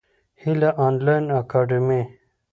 هیله انلاین اکاډمي.